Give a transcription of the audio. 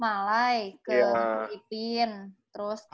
malay ke dipin yaa